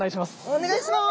お願いします！